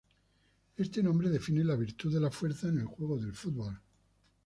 Este nombre define la virtud de la fuerza en el juego del fútbol.